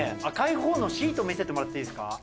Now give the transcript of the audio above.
赤いほうのシート見せてもらっていいですか？